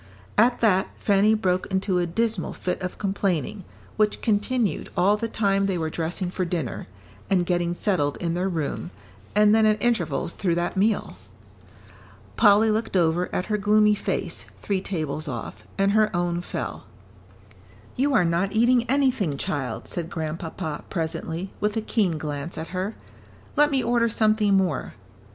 At that, Fanny broke into a dismal fit of complaining, which continued all the time they were dressing for dinner, and getting settled in their room, and then at intervals through that meal. Polly looked over at her gloomy face, three tables off, and her own fell. "You are not eating anything, child," said Grandpapa, presently, with a keen glance at her. "Let me order something more."